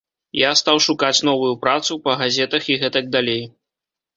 Я стаў шукаць новую працу, па газетах і гэтак далей.